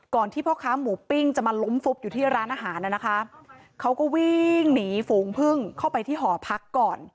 ที่พ่อค้าหมูปิ้งจะมาล้มฟุบอยู่ที่ร้านอาหารน่ะนะคะเขาก็วิ่งหนีฝูงพึ่งเข้าไปที่หอพักก่อน